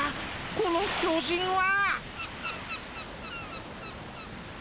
この巨人は？